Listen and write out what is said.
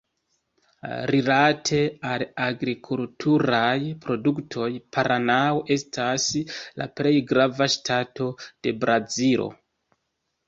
Rilate al agrikulturaj produktoj, Paranao estas la plej grava ŝtato de Brazilo.